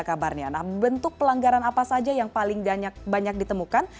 nah bentuk pelanggaran apa saja yang paling banyak ditemukan